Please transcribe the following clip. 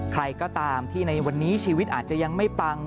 ใครก็ตามที่ในวันนี้ชีวิตอาจจะยังไม่ปัง